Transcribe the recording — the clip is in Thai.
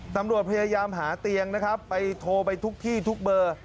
ตำรวจพยายามหาเตียงนะครับไปโทรไปทุกที่ทุกเบอร์